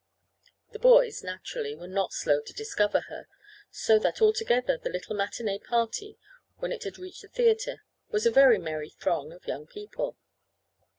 The boys, naturally, were not slow to "discover her" so that, altogether, the little matinee party, when it had reached the theatre, was a very merry throng of young people.